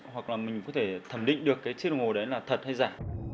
hoặc là mình có thể thẩm định được cái chiết đồng hồ đấy là thật hay giả